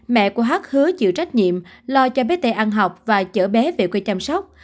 mẹ của hát hứa chịu trách nhiệm lo cho bé tê ăn học và chở bé về quê chăm sóc